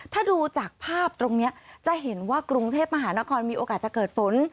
ถ้าดูจากภาพตรงนี้จะเห็นว่ากรุงเทพมหานครมีโอกาสจะเกิดฝน